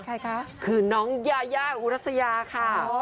ใครคะคือน้องยายาอุรัสยาค่ะ